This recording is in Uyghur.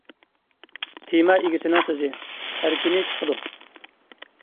تېما ئىگىسىنىڭ سۆزى : ھەر كۈنى چىقىدۇ!